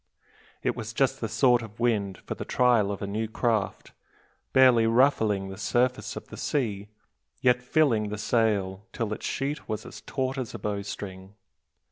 It was just the sort of wind for the trial of a new craft barely ruffling the surface of the sea, and yet filling the sail till its sheet was as taut as a bow string.